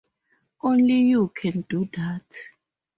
Only you can do that.